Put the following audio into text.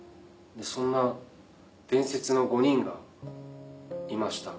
そんな伝説の５人がいました。